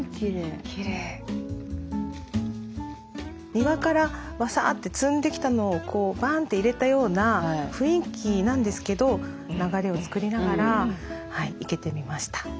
庭からワサーッて摘んできたのをバーンて入れたような雰囲気なんですけど流れを作りながら生けてみました。